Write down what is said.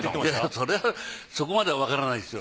それはそこまではわからないですよ。